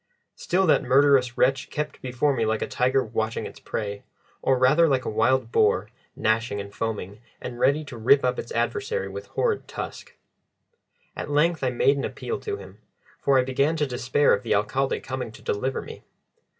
Still that murderous wretch kept before me like a tiger watching its prey, or rather like a wild boar, gnashing and foaming, and ready to rip up its adversary with horrid tusk. At length I made an appeal to him, for I began to despair of the Alcalde coming to deliver me.